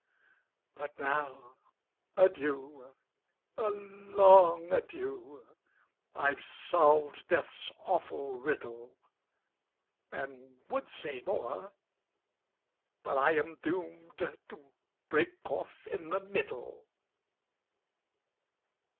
"But now, adieu a long adieu! I've solved death's awful riddle, And would say more, but I am doomed To break off in the middle!"